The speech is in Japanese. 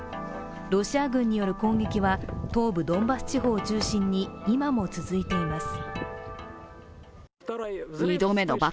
ロシア軍による攻撃は、東部ドンバス地方を中心に今も続いています。